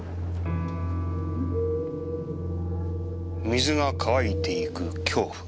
「水が乾いていく恐怖」